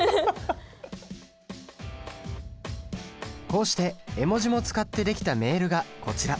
こうして絵文字も使って出来たメールがこちら。